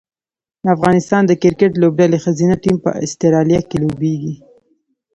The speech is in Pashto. د افغانستان د کرکټ لوبډلې ښځینه ټیم په اسټرالیا کې لوبیږي